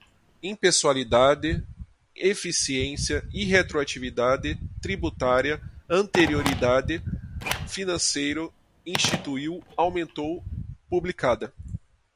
impessoalidade, eficiência, irretroatividade, tributária, anterioridade, financeiro, instituiu, aumentou, publicada